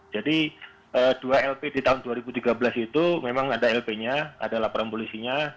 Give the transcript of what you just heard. jadi dua lp di tahun dua ribu tiga belas itu memang ada lp nya ada laporan polisinya